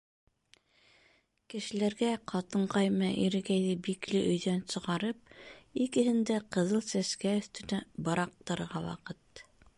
Кешеләргә ҡатынҡай менән ирекәйҙе бикле өйҙән сығарып, икеһен дә Ҡыҙыл Сәскә өҫтөнә быраҡтырырға ваҡыт.